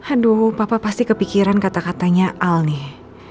aduh papa pasti kepikiran kata katanya al nih